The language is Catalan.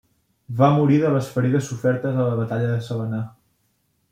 Va morir de les ferides sofertes a la batalla de Savannah.